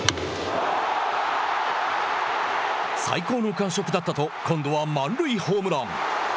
最高の感触だったと今度は満塁ホームラン。